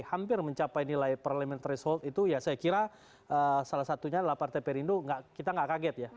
hampir mencapai nilai parliamentary result itu ya saya kira salah satunya lapar tprindo kita gak kaget ya